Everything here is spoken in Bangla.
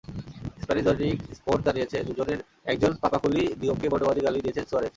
স্প্যানিশ দৈনিক স্পোর্ত জানিয়েছে, দুজনের একজন পাপাকুলি দিওপকে বর্ণবাদী গালি দিয়েছেন সুয়ারেজ।